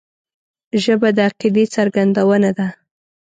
ژبه د عقیدې څرګندونه ده